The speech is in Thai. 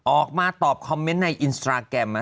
ออกมาตอบคอมเมนต์ในอินสตราแกรม